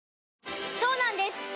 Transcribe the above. そうなんです